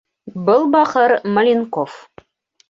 Был бахыр - Маленков.